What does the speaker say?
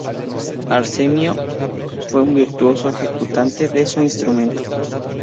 Arsenio fue un virtuoso ejecutante de su instrumento.